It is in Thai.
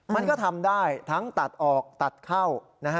มันก็ทำได้ทั้งตัดออกตัดเข้า